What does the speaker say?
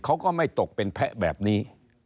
เขาก็ไม่ตกเป็นแพะแบบนี้